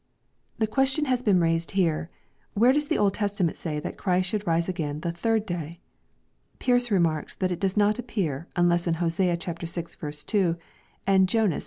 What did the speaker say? ] The question has been raised here, " Where does the Old Testament say that Christ should rise again Uie third day f" Pearce remarks that it does not ap pear, unless in Hosea vL 2, and Jonas i.